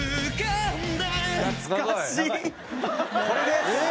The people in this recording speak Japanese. これです。